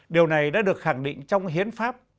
điều này đã được khẳng định trong hiến pháp